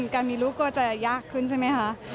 การมีลูกก็จะยากขึ้นใช่ไหมคะ